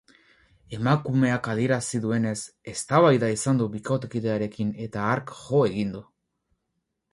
Emakumeak adierazi duenez, eztabaida izan du bikotekidearekin eta hark jo egin du.